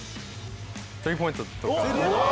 スリーポイントとか。